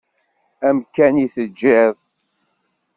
Amkan i d-teǧǧiḍ.